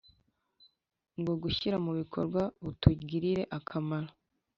no gushyira mubikorwa butugirire akamaro